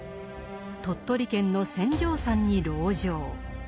鳥取県の船上山に籠城。